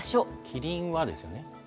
キリンはですね。